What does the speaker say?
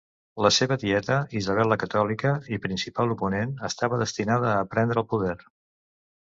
La seva tieta, Isabel la Catòlica, i principal oponent, estava destinada a prendre el poder.